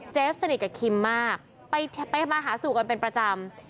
สนิทกับคิมมากไปมาหาสู่กันเป็นประจำ